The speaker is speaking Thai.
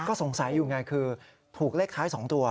ก็สงสัยอยู่ไงคือถูกเลขท้าย๒ตัว